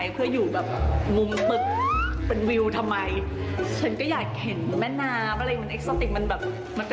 ก็อยู่แบบแถวลิ้มแม่น้ำ